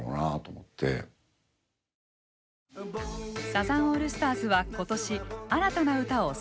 サザンオールスターズは今年新たな歌を３曲発表。